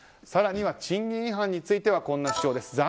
更には、賃金違反についてはこんな主張です。